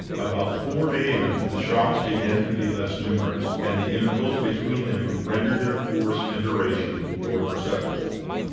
About 4 A. M. the shocks began to be less numerous, and the intervals between them rendered their force and duration more perceptible.